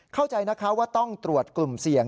เข้าใจนะคะว่าต้องตรวจกลุ่มเสี่ยง